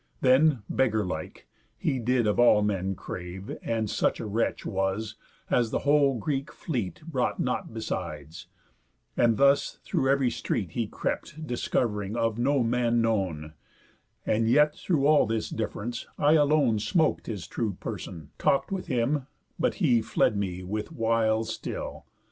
Then, beggar like, he did of all men crave, And such a wretch was, as the whole Greek fleet Brought not besides. And thus through ev'ry street He crept discov'ring, of no one man known. And yet through all this diff'rence, I alone Smoked his true person, talk'd with him; but he Fled me with wiles still.